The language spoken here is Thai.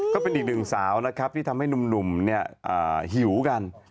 ก็เป็นอีกหนึ่งสาวนะครับที่ทำให้หนุ่มหิวกัน